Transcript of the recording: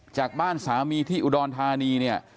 จากบ้านสามีที่อุดรธานีเนี่ย